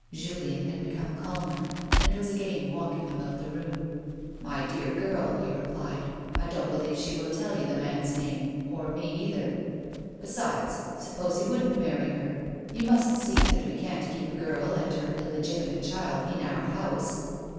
Julien had become calmer, and was again walking about the room. "My dear girl," he replied, "I don't believe she will tell you the man's name, or me either. Besides, suppose he wouldn't marry her 1 You must see that we can't keep a girl and her illegitimate child in our house."